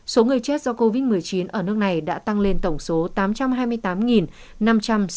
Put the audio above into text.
số người chết do covid một mươi chín ở nước này đã tăng lên tổng số tám trăm hai mươi tám năm trăm sáu mươi bảy